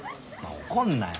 怒んなよ。